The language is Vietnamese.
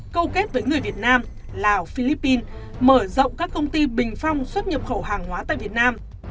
câu kết với người việt nam lào philippines mở rộng các công ty bình phong xuất nhập khẩu hàng hóa tại việt nam